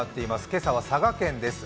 今朝は佐賀県です。